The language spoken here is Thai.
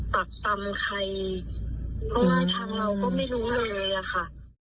ตัดตำใครว่าทางเราก็ไม่รู้เลยล่ะค่ะ